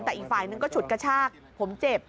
แต่อีกฝ่ายนึงก็ฉุดกระชากผมเจ็บ